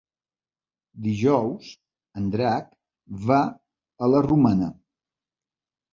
Dijous en Drac va a la Romana.